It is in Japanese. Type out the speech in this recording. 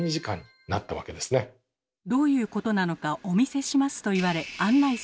「どういうことなのかお見せします」と言われお！